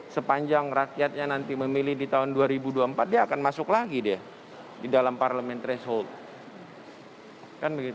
sepanjang rakyatnya nanti memilih di tahun dua ribu dua puluh empat dia akan masuk lagi dia di dalam parlemen threshold